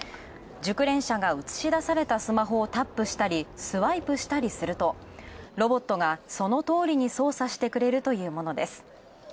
熟練者が映し出されたスマホをタップしたりスワイプしたりすると、ロボットがそのとおりに操作してくるというものです。